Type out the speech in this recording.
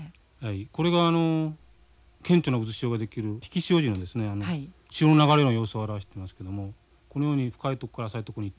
これが顕著な渦潮が出来る引き潮時の潮の流れの様子を表してますけどもこのように深い所から浅い所に行ってるわけです。